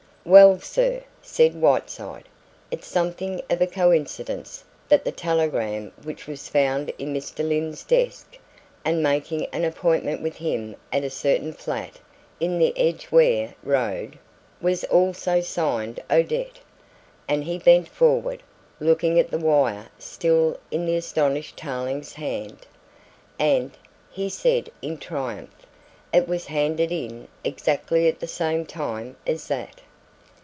"Well, sir," said Whiteside, "it's something of a coincidence that the telegram which was found in Mr. Lyne's desk, and making an appointment with him at a certain flat in the Edgware Road, was also signed 'Odette,' and," he bent forward, looking at the wire still in the astonished Tarling's hand, "and," he said in triumph, "it was handed in exactly at the same time as that!"